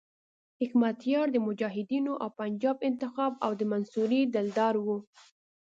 حکمتیار د مجاهدینو او پنجاب انتخاب او د منصوري دلدار وو.